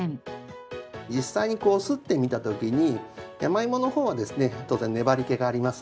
実際にこうすってみた時にヤマイモの方はですね当然粘り気があります。